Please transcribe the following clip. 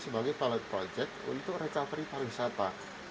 sebagai pilot project untuk recovery pariwisata